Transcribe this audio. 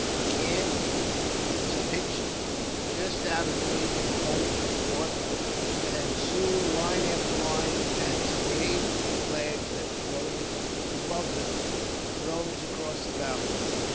The camp was pitched just out of range of the guns of the fort, and soon line after line of tents, gay with the flags that floated above them, rose across the valley.